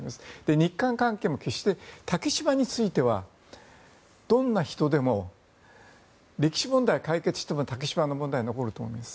日韓関係も決して竹島についてはどんな人でも歴史問題を解決しても竹島の問題は残ると思います。